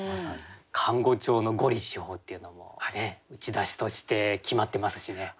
漢語調の「五里四方」っていうのも打ち出しとして決まってますしね。